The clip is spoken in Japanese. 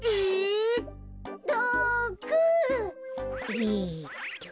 ６！えっと。